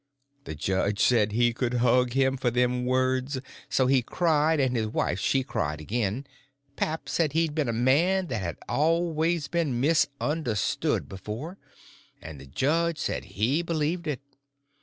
The judge said he could hug him for them words; so he cried, and his wife she cried again; pap said he'd been a man that had always been misunderstood before, and the judge said he believed it.